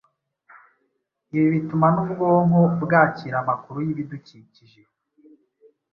ibi bituma n’ubwonko bwakira amakuru y’ibidukikije